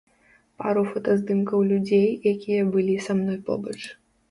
Пару фотаздымкаў людзей, якія былі са мной побач.